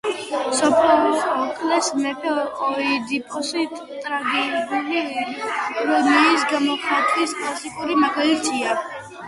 სოფოკლეს „მეფე ოიდიპოსი“ ტრაგიკული ირონიის გამოხატვის კლასიკური მაგალითია.